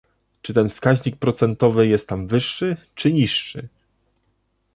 Czy ten wskaźnik procentowy jest tam wyższy, czy niższy?